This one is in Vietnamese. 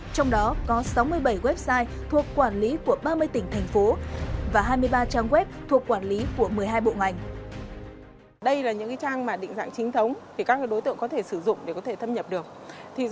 trong đó có sáu mươi bảy website thuộc quản lý của ba mươi tỉnh thành phố và hai mươi ba trang web thuộc quản lý của một mươi hai bộ ngành